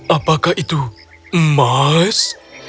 apakah itu emas